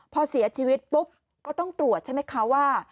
พอเสียชีวิตปุ๊บก็ต้องตรวจใช่ไหมคะว่า